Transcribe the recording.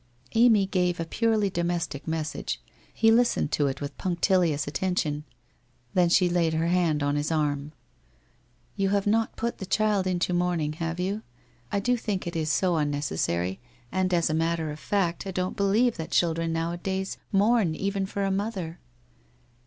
Amy gave a purely domestic message. He listened to it with punctilious attention. Then she laid her hand on his arm : I You have not put the child into mourning, have you ? I do think it is so unnecessary, and as a matter of fact, I don't believe that children now a days mourn even for a mother.'